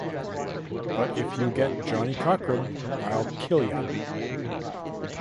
But if you get Johnnie Cochran, I'll kill ya!